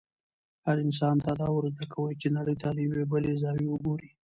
هنر انسان ته دا ورزده کوي چې نړۍ ته له یوې بلې زاویې وګوري.